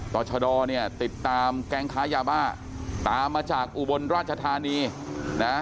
ต่อชะดอเนี่ยติดตามแก๊งค้ายาบ้าตามมาจากอุบลราชธานีนะ